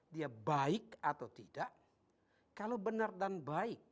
dia baik atau tidak